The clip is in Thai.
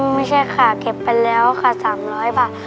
ไม่ใช่ค่ะเก็บไปแล้วค่ะ๓๐๐บาท